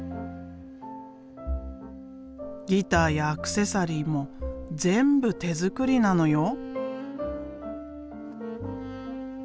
ギターやアクセサリーも全部手作りなのよ。